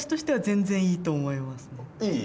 いい？